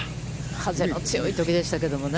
風の強いときでしたけどね。